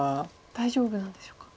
大丈夫なんでしょうか。